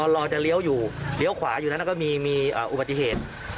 รอจะเลี้ยวอยู่เลี้ยวขวาอยู่นั้นก็มีอุบัติเหตุ